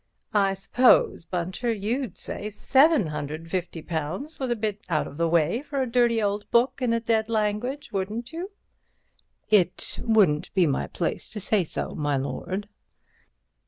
I suppose, Bunter, you'd say £750 was a bit out of the way for a dirty old book in a dead language, wouldn't you?" "It wouldn't be my place to say so, my lord."